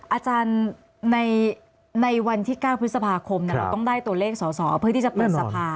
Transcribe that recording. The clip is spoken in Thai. อาจารย์ในวันที่๙พฤษภาคมเราต้องได้ตัวเลขสอสอเพื่อที่จะเปิดสภา